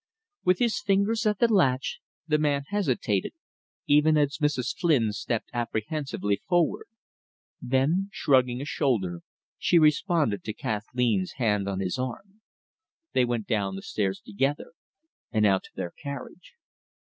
With his fingers at the latch, the man hesitated, even as Mrs. Flynn stepped apprehensively forward; then, shrugging a shoulder, he responded to Kathleen's hand on his arm. They went down the stairs together, and out to their carriage.